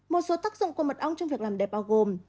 một số tác dụng của mật ong trong việc làm đẹp bao gồm